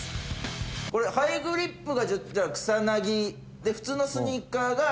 これハイグリップがじゃあ草薙で普通のスニーカーが児嶋さん。